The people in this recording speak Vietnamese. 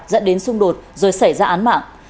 dẫn đến xung đột rồi xảy ra án mạng